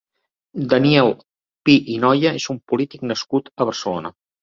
Daniel Pi i Noya és un polític nascut a Barcelona.